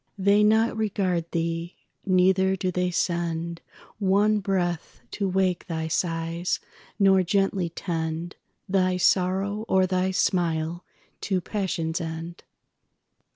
They not regard thee, neither do they sendOne breath to wake thy sighs, nor gently tendThy sorrow or thy smile to passion's end.